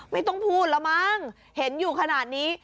ไม่ต้องพูดแล้วมั้งเห็นอยู่ขนาดนี้